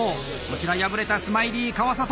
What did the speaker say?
こちら敗れたスマイリー川里。